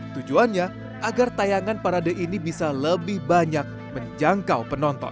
tujuannya agar tayangan parade ini bisa lebih banyak menjangkau penonton